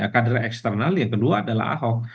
kader eksternal yang kedua adalah ahok